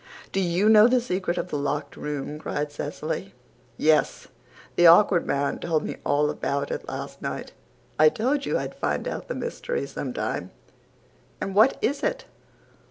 "Do YOU know the secret of the locked room?" cried Cecily. "Yes, the Awkward Man told me all about it last night. I told you I'd find out the mystery some time." "And what is it?"